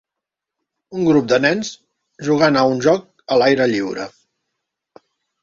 Un grup de nens jugant a un joc a l'aire lliure